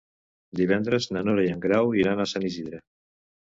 Divendres na Nora i en Grau iran a Sant Isidre.